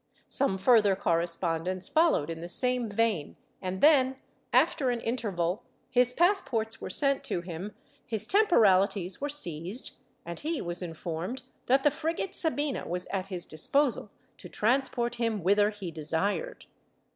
Some further correspondence followed in the same vein and then, after an interval, his passports were sent to him, his temporalities were seized, and he was informed that the frigate Sabina was at his disposal to transport him whither he desired.